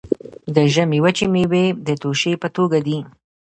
د ژمي وچې میوې د توشې په توګه دي.